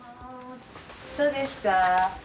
どうですか？